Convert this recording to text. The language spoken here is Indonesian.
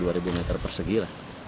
dua ribu meter persegi lah